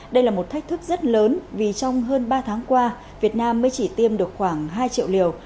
đây là một thách thức rất lớn vì trong hơn ba tháng qua việt nam mới chỉ tiêm được khoảng hai triệu liều